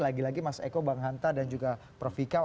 lagi lagi mas eko bang hanta dan juga prof vika